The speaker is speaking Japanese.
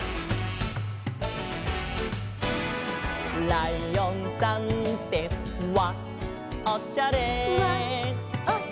「ライオンさんってわっおしゃれ」「」